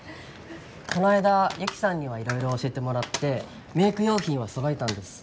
この間雪さんにはいろいろ教えてもらってメイク用品はそろえたんです。